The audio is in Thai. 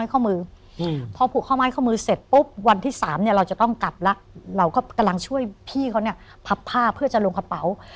ก็กำลังช่วยพี่เขาเนี่ยพับผ้าเพื่อจะลงขาเปา